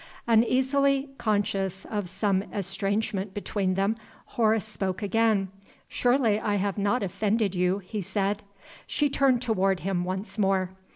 Uneasily conscious of some estrangement between them, Horace spoke again. "Surely I have not offended you?" he said. She turned toward him once more.